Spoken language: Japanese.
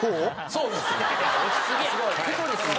そうですね。